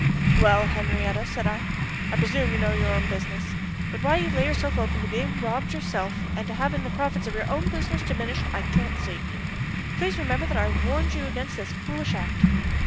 "Well, Henriette," said I, "I presume you know your own business, but why you lay yourself open to being robbed yourself and to having the profits of your own business diminished I can't see. Please remember that I warned you against this foolish act."